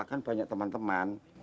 kan banyak teman teman